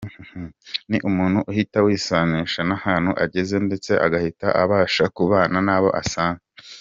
Ni umuntu uhita wisanisha n’ahantu ageze ndetse agahita abasha kubana nabo asanze.